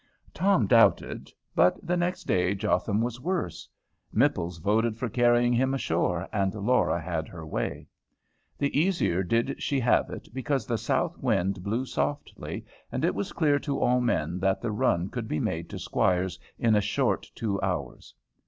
Tom doubted. But the next day Jotham was worse. Mipples voted for carrying him ashore, and Laura had her way. The easier did she have it, because the south wind blew softly, and it was clear to all men that the run could be made to Squire's in a short two hours.